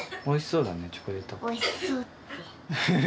おいしそうって。